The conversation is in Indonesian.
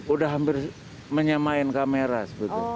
udah hampir menyamain kamera sebetulnya